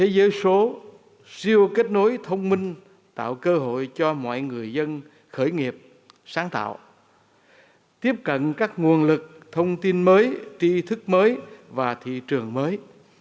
giới số siêu kết nối thông minh tạo cơ hội cho mọi người dân khởi nghiệp sáng tạo tiếp cận các nguồn lực thông tin mới tri thức mới và thị trường mới